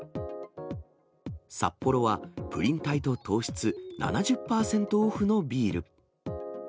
サッポロは、プリン体と糖質７０％オフのビール。